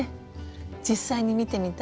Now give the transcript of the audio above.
実際に見てみたい。